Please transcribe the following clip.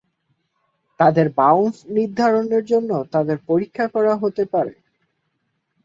তাদের বাউন্স নির্ধারণের জন্য তাদের পরীক্ষা করা হতে পারে।